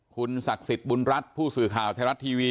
คุณศักดิ์สิทธิ์บุญรัฐผู้สื่อข่าวไทยรัฐทีวี